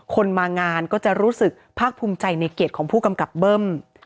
คนมางานก็จะรู้สึกภาคภูมิใจในเกียรติของผู้กำกับเบิ้ม